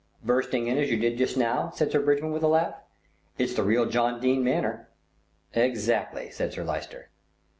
"Bursting in as you did just now," said Sir Bridgman with a laugh. "It's the real John Dene manner." "Exactly," said Sir Lyster.